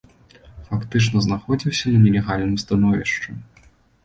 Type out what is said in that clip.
Фактычна знаходзіўся на нелегальным становішчы.